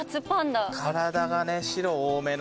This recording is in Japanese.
体がね白多めの。